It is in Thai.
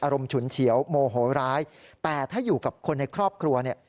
ฉุนเฉียวโมโหร้ายแต่ถ้าอยู่กับคนในครอบครัวเนี่ย